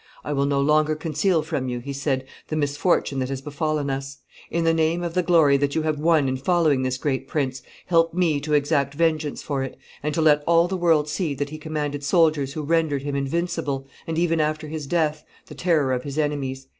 "I will no longer conceal from you," he said, "the misfortune that has befallen us; in the name of the glory that you have won in following this great prince, help me to exact vengeance for it, and to let all the world see that he commanded soldiers who rendered him invincible, and, even after his death, the terror of his enemies."